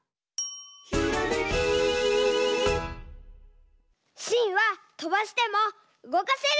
「ひらめき」しんはとばしてもうごかせるんだ！